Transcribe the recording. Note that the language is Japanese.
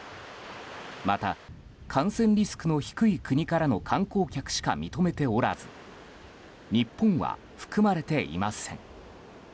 また、感染リスクの低い国からの観光客しか認めておらず日本は含まれていません。